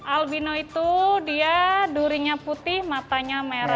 albino itu dia durinya putih matanya merah